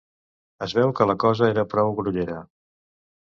Es veu que la cosa era prou grollera.